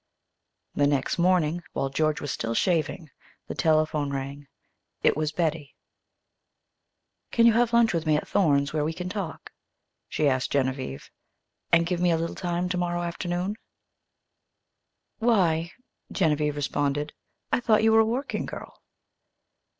The next morning, while George was still shaving, the telephone rang. It was Betty. "Can you have lunch with me at Thorne's, where we can talk?" she asked Genevieve. "And give me a little time tomorrow afternoon?" "Why," Geneviève responded, "I thought you were a working girl."